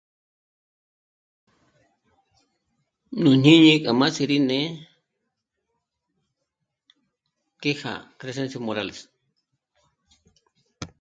Nú jñíni kja m'á sí rí né'e que já'a Crescencio Morales